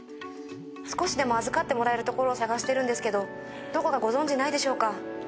少しでも預かってもらえる所を探してるんですけどどこかご存じないでしょうか。